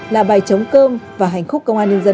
là bài chống cơm và hành khúc công an nhân dân